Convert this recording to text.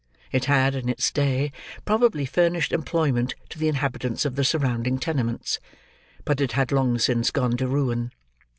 It had, in its day, probably furnished employment to the inhabitants of the surrounding tenements. But it had long since gone to ruin.